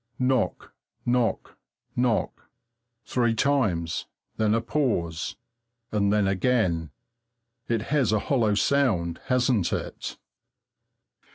Knock knock knock three times, then a pause, and then again. It has a hollow sound, hasn't it?